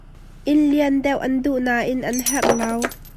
Inn lian deuh an duh, nain an herh lo.